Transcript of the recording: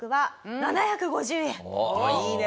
いいね！